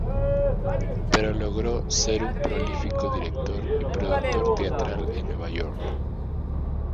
Pero logró ser un prolífico director y productor teatral en Nueva York.